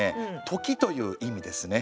「とき」という意味ですね。